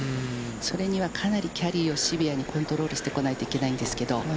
それにはかなりキャリーをコントロールしてこないといけないんですけど。